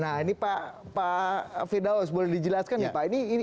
nah ini pak fidaus boleh dijelaskan ya pak